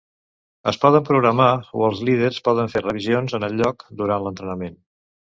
Es poden programar o els líders poden fer revisions en el lloc, durant l'entrenament.